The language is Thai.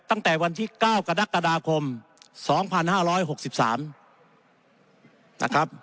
ตั้งแต่วันที่๙กรกฎาคม๒๕๖๓นะครับ